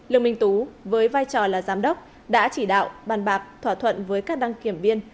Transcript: lương minh tú với vai trò là giám đốc đã chỉ đạo bàn bạc thỏa thuận với các đăng kiểm viên